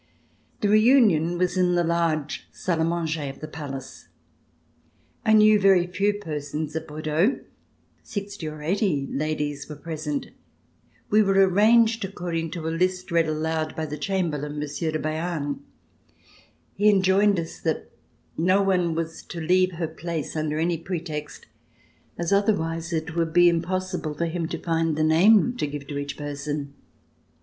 The reunion was in the large salle d manger of the palace. I knew very few persons at Bordeaux. Sixty or eighty ladies were present. We were arranged according to a list read aloud by the chamberlain. Monsieur de Beam. He enjoined us that no one was to leave her place under any pretext, as otherwise it would be impossible for him to find the name to [ 330] THE EMPEROR AT BORDEAUX give to each person.